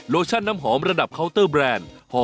ไปค่ะอ่ะแม่